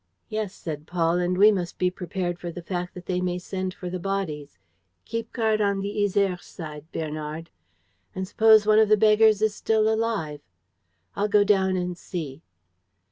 "Yes," said Paul. "And we must be prepared for the fact that they may send for the bodies. Keep guard on the Yser side, Bernard." "And suppose one of the beggars is still alive?" "I'll go down and see."